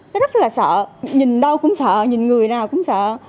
nó rất là sợ nhìn đâu cũng sợ nhìn người nào cũng sợ